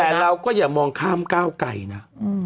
แต่เราก็อย่ามองข้ามก้าวไกลนะ